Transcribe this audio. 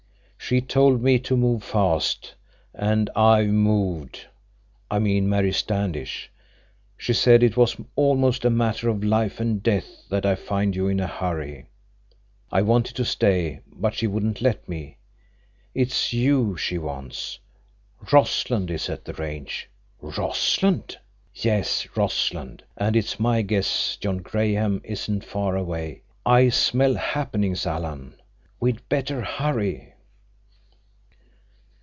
She told me to move fast, and I've moved. I mean Mary Standish. She said it was almost a matter of life and death that I find you in a hurry. I wanted to stay, but she wouldn't let me. It's you she wants. Rossland is at the range." "Rossland!" "Yes, Rossland. And it's my guess John Graham isn't far away. I smell happenings, Alan. We'd better hurry."